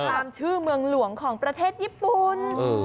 ตามชื่อเมืองหลวงของประเทศญี่ปุ่น